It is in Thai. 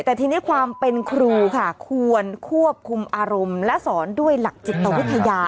แต่ทีนี้ความเป็นครูค่ะควรควบคุมอารมณ์และสอนด้วยหลักจิตวิทยา